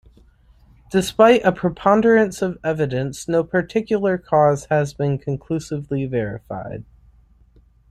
Despite a preponderance of evidence, no particular cause has been conclusively verified.